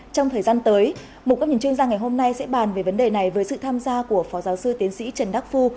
trong thời gian tới một góc nhìn chuyên gia ngày hôm nay sẽ bàn về vấn đề này với sự tham gia của phó giáo sư tiến sĩ trần đắc phu